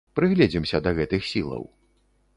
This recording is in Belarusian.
Прыгледзімся да гэтых сілаў.